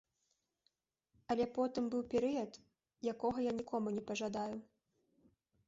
Але потым быў перыяд, якога я нікому не пажадаю.